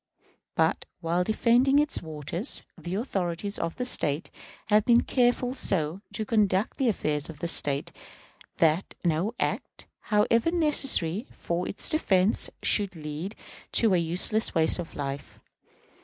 But, while defending its waters, the authorities of the State have been careful so to conduct the affairs of the State that no act, however necessary for its defense, should lead to a useless waste of life.